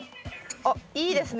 おっいいですね。